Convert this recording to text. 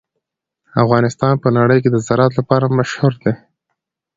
افغانستان په نړۍ کې د زراعت لپاره مشهور دی.